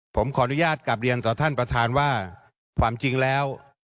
ผมขออนุญาตกลับเรียนต่อท่านประธานว่าความจริงแล้ว